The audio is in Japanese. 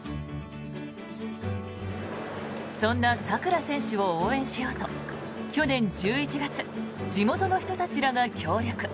そんなさくら選手を応援しようと去年１１月地元の人たちらが協力。